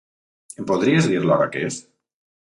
Em podries dir l'hora que és?